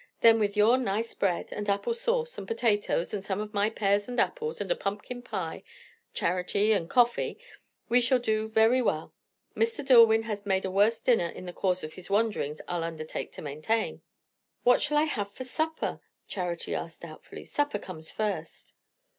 Then with your nice bread, and apple sauce, and potatoes, and some of my pears and apples, and a pumpkin pie, Charity, and coffee, we shall do very well. Mr. Dillwyn has made a worse dinner in the course of his wanderings, I'll undertake to maintain." "What shall I have for supper?" Charity asked doubtfully. "Supper comes first."